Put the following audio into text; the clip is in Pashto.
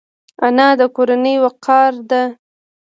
انا د کورنۍ وقار ده